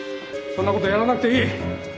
そんなことやらなくていい！